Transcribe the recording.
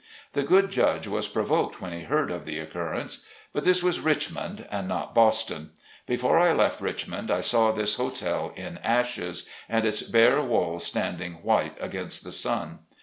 The good judge was provoked when he heard of the occurrence. IN A VIRGINIA PULPIT. 73 But this was Richmond, and not Boston. Before I left Richmond I saw this hotel in ashes, and its bare walls standing white against the sun.